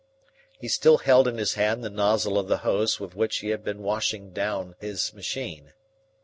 He still held in his hand the nozzle of the hose with which he had been washing down his machine.